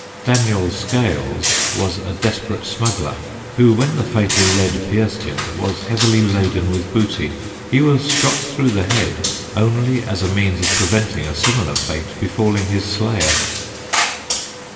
Daniel Scales was a desperate smuggler who, when the fatal lead pierced him, was heavily laden with booty. He was shot through the head only as a means of preventing a similar fate befalling his slayer.